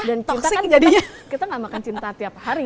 dan cinta kan kita gak makan cinta tiap hari